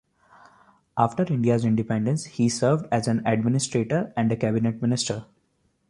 After India's independence, he served as an administrator and cabinet minister.